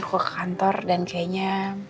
nanti aku ke kantor dan kayaknya